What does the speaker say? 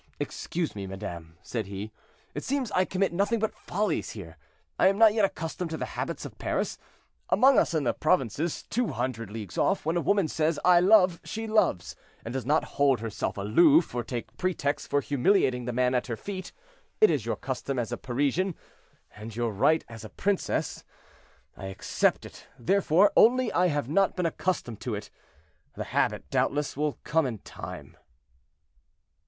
"Excuse me, madame," said he, "it seems I commit nothing but follies here; I am not yet accustomed to the habits of Paris. Among us in the provinces, 200 leagues off, when a woman says 'I love,' she loves, and does not hold herself aloof, or take pretexts for humiliating the man at her feet. It is your custom as a Parisian, and your right as a princess. I accept it, therefore, only I have not been accustomed to it. The habit, doubtless, will come in time."